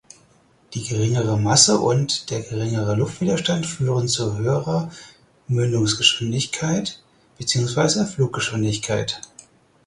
Die geringere Masse und der geringere Luftwiderstand führen zu höherer Mündungsgeschwindigkeit beziehungsweise Fluggeschwindigkeit.